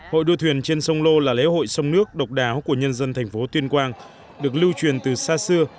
hội đua thuyền trên sông lô là lễ hội sông nước độc đáo của nhân dân thành phố tuyên quang được lưu truyền từ xa xưa